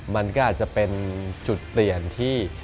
มันก็อาจจะเป็นจุดเปลี่ยนที่